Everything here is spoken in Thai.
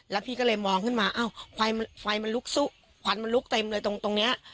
แล้วพี่ก็เลยมองขึ้นมาอ้าวไฟมันลุกควันมันลุกเต็มเลยตรงเนี้ย